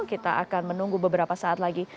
kita akan menunggu beberapa saat lagi